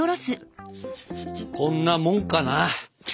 こんなモンかな？